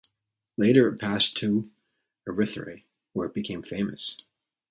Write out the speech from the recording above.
Later it passed to Erythrae, where it became famous.